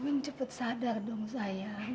erwin cepet sadar dong sayang